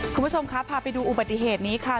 คุณผู้ชมครับพาไปดูอุบัติเหตุนี้ค่ะ